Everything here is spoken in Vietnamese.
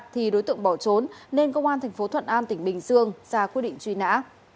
thì đối tượng bỏ trốn nên công an thành phố thuận an tỉnh bình dương ra quy định truy nã